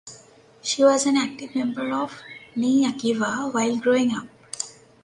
She was an active member of Bnei Akiva while growing up.